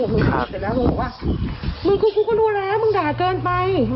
เราก็บอกว่ามึงกูกูก็รู้แล้วมึงด่าเกินไป